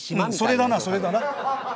うんそれだなそれだな。